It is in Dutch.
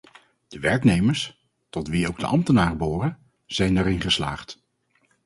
De werknemers, tot wie ook de ambtenaren behoren, zijn daarin geslaagd.